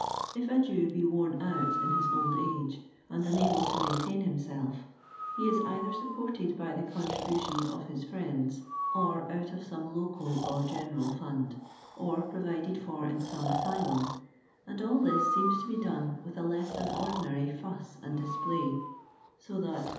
If a Jew be worn out in his old age, and unable to maintain himself, he is either supported by tlie contributions of his friends, or out of some local or general fund, or provided for in some asylum, and all tliis seems to be done with a less than ordinary fuss and dispUiy, so that the No.